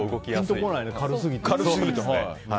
ピンとこないね、軽すぎて。